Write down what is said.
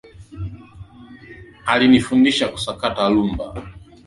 Alinifundisha kusakata rhumba.